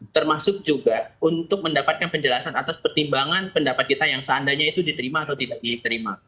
termasuk juga untuk mendapatkan penjelasan atas pertimbangan pendapat kita yang seandainya itu diterima atau tidak diterima